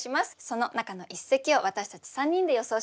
その中の一席を私たち３人で予想します。